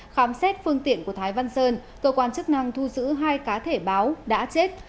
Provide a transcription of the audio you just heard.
khám xét phương tiện của thái văn sơn cơ quan chức năng thu giữ hai cá thể báo đã chết